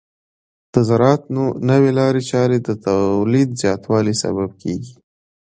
د زراعت نوې لارې چارې د تولید زیاتوالي سبب کیږي.